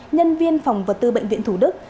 nhân viên phòng vật tư bệnh viện thủ đức